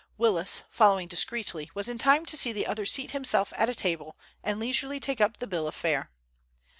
Willis, following discreetly, was in time to see the other seat himself at a table and leisurely take up the bill of fare.